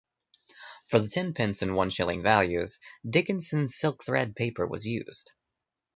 For the ten pence and one shilling values, Dickinson silk thread paper was used.